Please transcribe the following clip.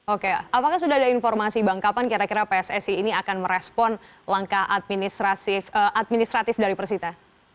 oke apakah sudah ada informasi bang kapan kira kira pssi ini akan merespon langkah administratif dari persita